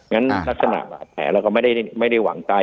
งั้นลักษณะบาดแผลเราก็ไม่ได้หวังตาย